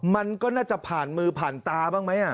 มันก็น่าจะผ่านมือผ่านตาบ้างมั้ยอ่ะ